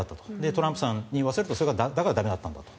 トランプさんに言わせるとだから駄目だったんだと。